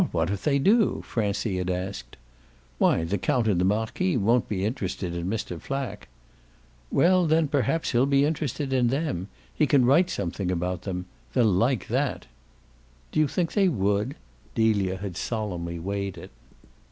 "Well, what if they do?" Francie had asked. "Why the count and the marquis won't be interested in Mr. Flack." "Well then perhaps he'll be interested in them. He can write something about them. They'll like that." "Do you think they would?" Delia had solemnly weighed it.